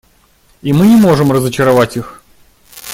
И мы не можем разочаровывать их.